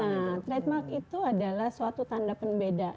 nah trademark itu adalah suatu tanda pembeda